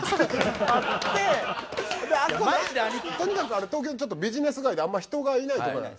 であそことにかく東京のちょっとビジネス街であんま人がいないとこやん。